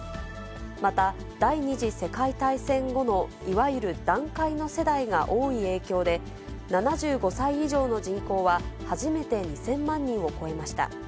また、第２次世界大戦後のいわゆる団塊の世代が多い影響で、７５歳以上の人口は初めて２０００万人を超えました。